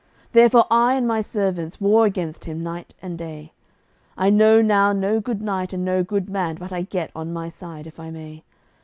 Therefore I and my servants war against him night and day. I know now no good knight and no good man but I get on my side, if I may.